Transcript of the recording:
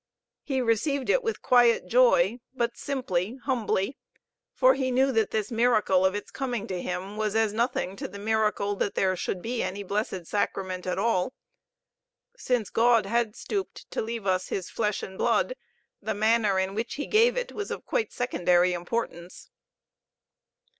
He received It with quiet joy, but simply, humbly, for he knew that this miracle of Its coming to him was as nothing to the miracle that there should be any Blessed Sacrament at all. Since God had stooped to leave us His Flesh and Blood, the manner in which He gave It was of quite secondary importance.